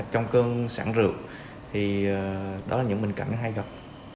trong cơn sản rượu thì đó là những bệnh cảnh hay gặp